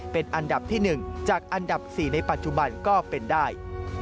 เป็นอันดับที่๑จากอันดับ๔ในปัจจุบันก็เป็นได้